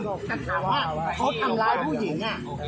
แต่ถามว่าเขาทำร้ายผู้หญิง